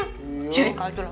iya gak usah itu lagi